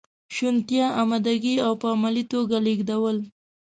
شونتیا، امادګي او په عملي توګه لیږدول.